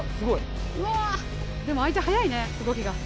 うわでも相手速いね動きが。